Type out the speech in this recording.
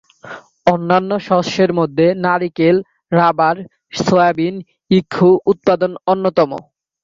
অন্যান্য শস্যের মধ্যে নারিকেল, রাবার, সয়াবিন, ইক্ষু উৎপাদন অন্যতম।